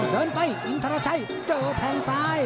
เดินไปอินทรชัยเจอแทงซ้าย